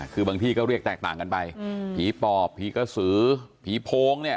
คือบางที่ก็เรียกแตกต่างกันไปผีปอบผีกระสือผีโพงเนี่ย